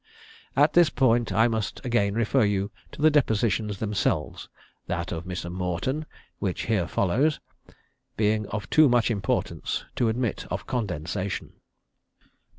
At this point I must again refer you to the depositions themselves, that of Mr. Morton, which here follows, being of too much importance to admit of condensation.